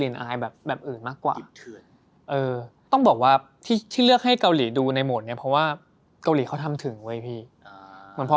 แล้วมันไม่กลั๊กอ่ะคือรู้สึกว่าอย่างบางทีแบบ